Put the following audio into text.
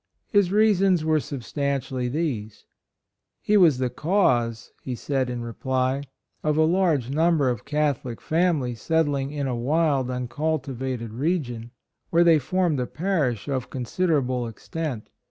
His reasons were substantially these :" He was the cause," he said in reply, "of a large number of Catholic families settling in a wild, uncultivated re gion, where they formed a parish of considerable extent.